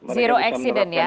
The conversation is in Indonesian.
mereka bisa menerapkan itu